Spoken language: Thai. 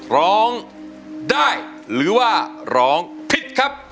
ร้องได้หรือว่าร้องผิดครับ